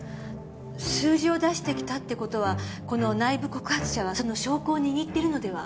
数字を出してきたって事はこの内部告発者はその証拠を握ってるのでは？